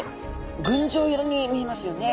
群青色に見えますよね。